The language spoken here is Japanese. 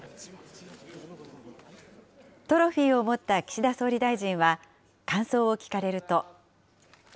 トロフィーを持った岸田総理大臣は、感想を聞かれると。